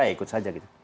saya ikut saja gitu